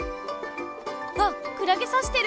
うわクラゲさしてる！